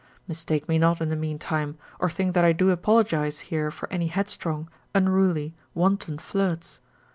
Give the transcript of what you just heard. Mistake me not in the mean time, or think that I do apologise here for any headstrong, unruly, wanton flirts.